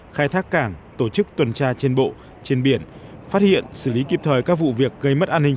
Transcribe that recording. khai thác cảng tổ chức tuần tra trên bộ trên biển phát hiện xử lý kịp thời các vụ việc gây mất an ninh